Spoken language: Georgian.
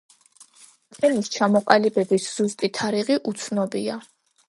თემის ჩამოყალიბების ზუსტი თარიღი უცნობია.